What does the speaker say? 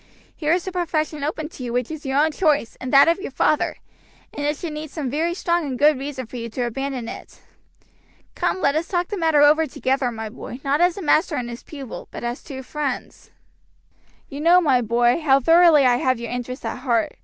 Here is a profession open to you which is your own choice and that of your father, and it should need some very strong and good reason for you to abandon it. Come let us talk the matter over together, my boy, not as a master and his pupil, but as two friends. "You know, my boy, how thoroughly I have your interest at heart.